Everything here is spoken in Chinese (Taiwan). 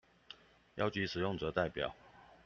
邀集使用者代表